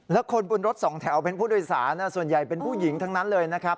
แล้วคนบนรถสองแถวเป็นผู้โดยสารส่วนใหญ่เป็นผู้หญิงทั้งนั้นเลยนะครับ